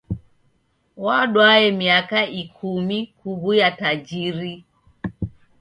Wadwae miaka ikumi kuw'uya tajiri.